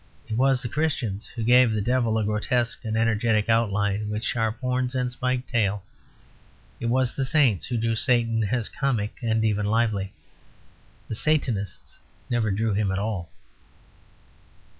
It was the Christians who gave the Devil a grotesque and energetic outline, with sharp horns and spiked tail. It was the saints who drew Satan as comic and even lively. The Satanists never drew him at all.